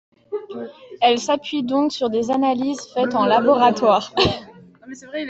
Elle s'appuie donc sur des analyses faites en laboratoire.